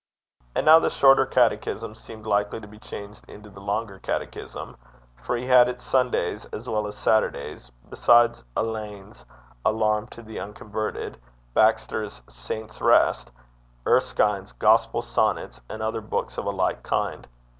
And now the Shorter Catechism seemed likely to be changed into the Longer Catechism; for he had it Sundays as well as Saturdays, besides Alleine's Alarm to the Unconverted, Baxter's Saint's Rest, Erskine's Gospel Sonnets, and other books of a like kind.